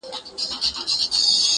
• دی هم بل غوندي اخته په دې بلا سو,